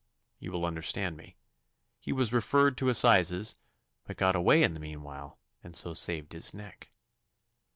You will understand me. He was referred to assizes, but got away in the meanwhile, and so saved his neck.